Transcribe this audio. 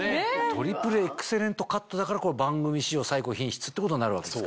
トリプルエクセレントカットだから番組史上最高品質ってことになるわけですか？